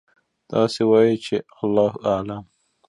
داسې وایئ چې: الله أعلم.